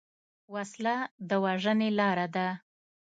وسله د وژنې لاره ده